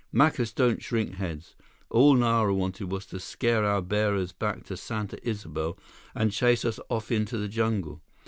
Macus don't shrink heads. All Nara wanted was to scare our bearers back to Santa Isabel and chase us off into the jungle.